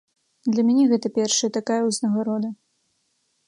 Для мяне гэта першая такая ўзнагарода.